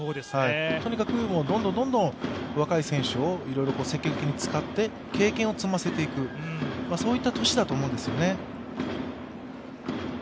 とにかくどんどん若い選手をいろいろ積極的に使って経験を積ませていく、そういった年だと思うんですよね。